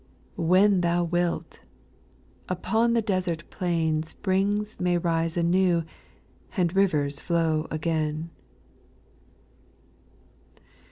When Thou wilt ! upon the desert plain Springs may rise anew, and rivers flow ag I'n.